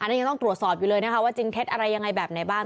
อันนี้ยังต้องตรวจสอบอยู่เลยนะคะว่าจริงเท็จอะไรยังไงแบบไหนบ้าง